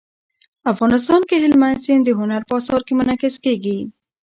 افغانستان کې هلمند سیند د هنر په اثار کې منعکس کېږي.